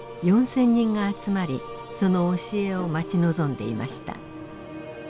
４，０００人が集まりその教えを待ち望んでいました。